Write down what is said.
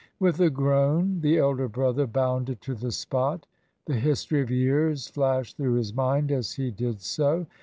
With a groan the elder brother bounded to the spot. The history of years flashed through his mind as he did so.